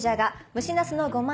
蒸しナスのゴマ